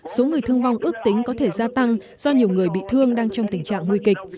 số người thương vong ước tính có thể gia tăng do nhiều người bị thương đang trong tình trạng nguy kịch